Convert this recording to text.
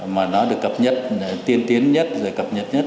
mà nó được cập nhật tiên tiến nhất rồi cập nhật nhất